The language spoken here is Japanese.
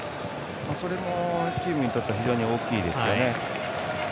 それもチームにとっては非常に大きいですよね。